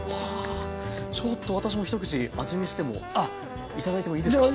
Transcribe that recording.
ちょっと私も一口味見してもいただいてもいいですか？